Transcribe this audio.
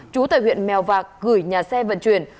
trú tại huyện mèo vạc gửi nhà xe vận chuyển